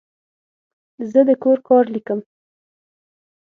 زه د کور کار لیکم.